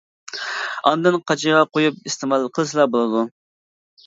ئاندىن قاچىغا قويۇپ ئىستېمال قىلسىلا بولىدۇ.